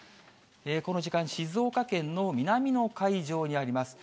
この時間、静岡県の南の海上にあります。